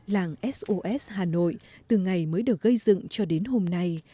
làng sos hà nội từ ngày mới được gây dựng cho đến hôm nay